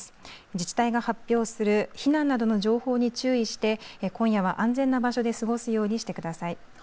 自治体が発表する避難などの情報に注意して今夜は安全な場所で過ごすようにしてください。